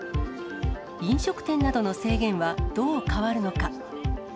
飲食店などの制限は、どう変わるのか。